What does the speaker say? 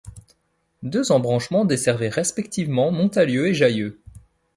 Deux embranchements desservaient respectivement Montalieu et Jallieu.